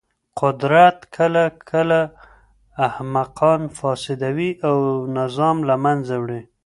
قدرت کله کله احمقان فاسدوي او نظام له منځه وړي.